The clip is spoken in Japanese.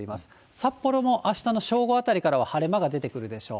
札幌もあしたの正午あたりからは晴れ間が出てくるでしょう。